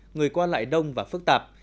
người qua lại đông và phức tạp